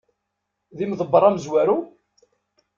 D imeḍebber amezwaru?